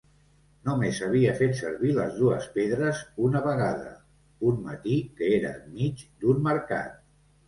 Només havia fet servir les dues pedres una vegada, un matí que era enmig d'un mercat.